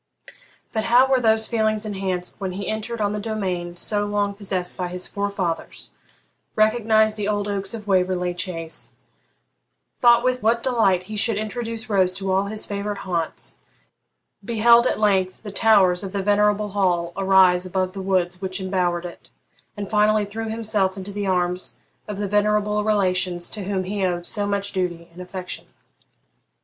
But how were those feelings enhanced when he entered on the domain so long possessed by his forefathers; recognised the old oaks of Waverley Chace; thought with what delight he should introduce Rose to all his favourite haunts; beheld at length the towers of the venerable hall arise above the woods which embowered it, and finally threw himself into the arms of the venerable relations to whom he owed so much duty and affection!